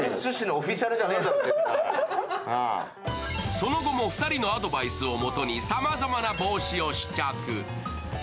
その後も２人のアドバイスをもとにさまざまな帽子を試着。